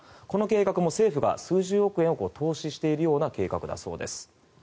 この計画も政府が数十億円を投資しているような計画だそうです。